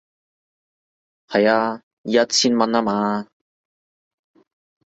係啊，一千蚊吖嘛